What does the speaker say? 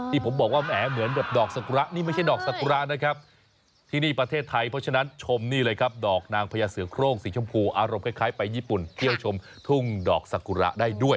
ผมบอกว่าแหมเหมือนแบบดอกสกุระนี่ไม่ใช่ดอกสกุระนะครับที่นี่ประเทศไทยเพราะฉะนั้นชมนี่เลยครับดอกนางพญาเสือโครงสีชมพูอารมณ์คล้ายไปญี่ปุ่นเที่ยวชมทุ่งดอกสกุระได้ด้วย